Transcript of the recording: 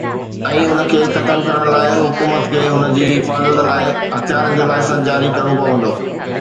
۽ ان کي ختم ڪرڻ لاءِ ، حڪومت کي هن جي حفاظت لاءِ هٿيارن جو لائسنس جاري ڪرڻو پوندو.